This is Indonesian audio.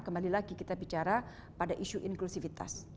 kembali lagi kita bicara pada isu inklusivitas